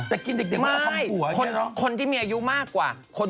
แต่กินเด็กเมื่อทำกลัวอย่างนี้หรอไม่คนที่มีอายุมากกว่า